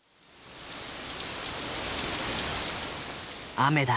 雨だ。